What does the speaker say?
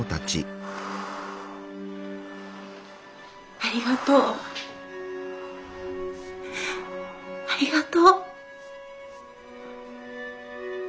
ありがとうありがとう。